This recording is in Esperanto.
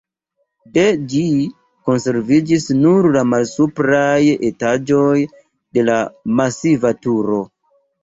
De ĝi konserviĝis nur la malsupraj etaĝoj de la masiva turo.